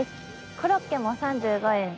コロッケも３５円。